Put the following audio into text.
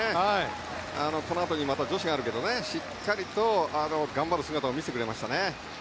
このあとまた女子があるけどしっかりと頑張る姿を見せてくれましたね。